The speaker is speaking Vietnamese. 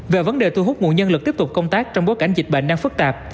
về vấn đề thu hút nguồn nhân lực tiếp tục công tác trong bối cảnh dịch bệnh đang phức tạp